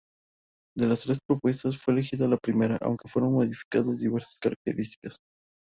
De las tres propuestas, fue elegida la primera, aunque fueron modificadas diversas características.